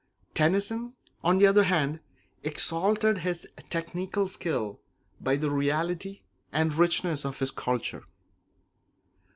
Tennyson, on the other hand, exalted his technical skill by the reality and richness of his culture.